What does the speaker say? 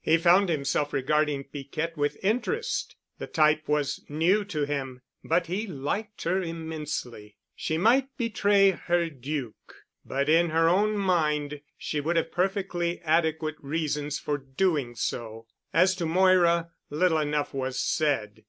He found himself regarding Piquette with interest. The type was new to him, but he liked her immensely. She might betray her Duc, but in her own mind she would have perfectly adequate reasons for doing so. As to Moira, little enough was said.